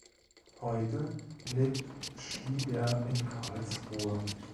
Heute lebt Stieber in Karlsruhe.